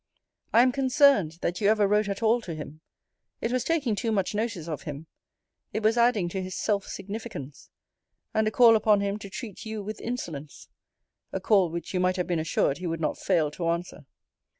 I am concerned, that you ever wrote at all to him. It was taking too much notice of him: it was adding to his self significance; and a call upon him to treat you with insolence. A call which you might have been assured he would not fail to answer.